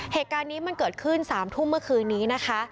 เหตุการณ์นี้มันเกิดขึ้น๓ทุ่มเมื่อคืนนี้นะคะ